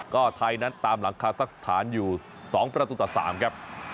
ก็ไทยนั้นตามหลังคาซักสถานอยู่๒ประตูต่อ๓ครับ